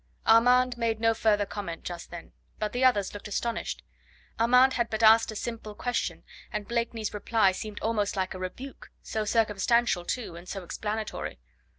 Armand made no further comment just then. But the others looked astonished. Armand had but asked a simple question, and Blakeney's reply seemed almost like a rebuke so circumstantial too, and so explanatory.